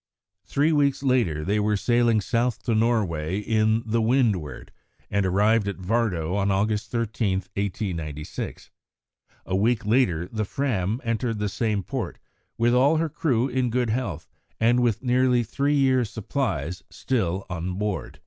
Three weeks later they were sailing south to Norway in the Windward, and arrived at Vardo on August 13, 1896. A week later the Fram entered the same port, with all her crew in good health, and with nearly three years' supplies still on board.